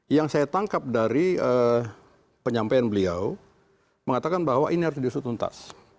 yang saya tangkap dari penyampaian beliau mengatakan bahwa ini harus diusut untas